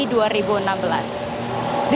dira terima kasih